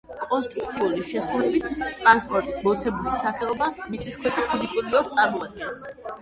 კონსტრუქციული შესრულებით ტრანსპორტის მოცემული სახეობა მიწისქვეშა ფუნიკულიორს წარმოადგენს.